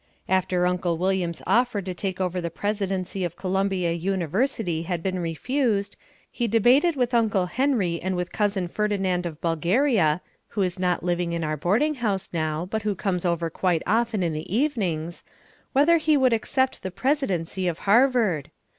After Uncle William's offer to take over the presidency of Columbia University had been refused, he debated with Uncle Henry and with Cousin Ferdinand of Bulgaria (who is not living in our boarding house now but who comes over quite often in the evenings) whether he would accept the presidency of Harvard.